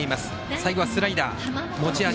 最後はスライダー、持ち味。